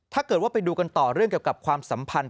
ถ้าเกิดว่าไปดูกันต่อเรื่องเกี่ยวกับความสัมพันธ์